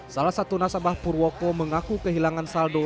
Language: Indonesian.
salah satu nasabah purwoko mengaku kehilangan saldo